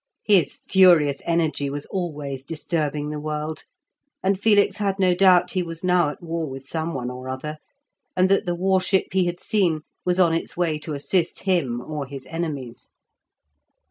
His furious energy was always disturbing the world, and Felix had no doubt he was now at war with some one or other, and that the war ship he had seen was on its way to assist him or his enemies.